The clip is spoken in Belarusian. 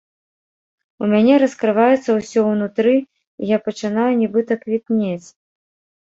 У мяне раскрываецца ўсё ўнутры і я пачынаю нібыта квітнець!